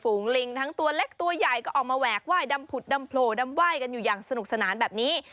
ลิงทั้งตัวเล็กตัวใหญ่ก็ออกมาแหวกไหว้ดำผุดดำโผล่ดำไหว้กันอยู่อย่างสนุกสนานแบบนี้